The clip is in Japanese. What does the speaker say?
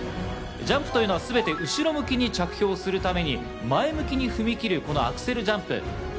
ジャンプというのはすべて後ろ向きに着氷するために前向きに踏み切るアクセルジャンプ。